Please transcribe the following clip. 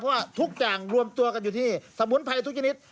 เพราะว่าทุกอย่างรวมตัวกันอยู่ที่สมุนไพรทุกชนิด